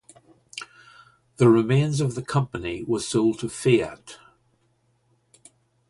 The remains of the company was sold to Fiat.